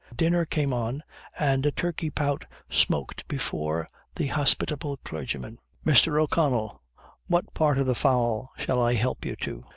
Dinner came on, and a turkey pout smoked before the hospitable clergyman. "Mr. O'Connell, what part of the fowl shall I help you to?"